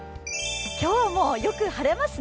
今日もよく晴れますね。